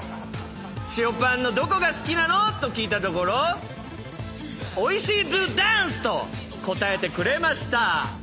塩パンのどこが好きなの？と聞いたところ「おいしいＤＯＤＡＮＣＥ！」と答えてくれました。